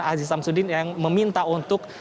aziz samsudin yang meminta untuk